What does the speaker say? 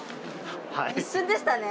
一瞬でしたね。